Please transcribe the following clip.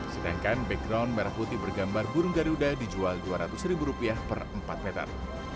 sedangkan background merah putih bergambar burung garuda dijual dua ratus ribu rupiah per empat meter